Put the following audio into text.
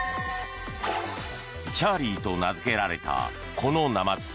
チャーリーと名付けられたこのナマズ。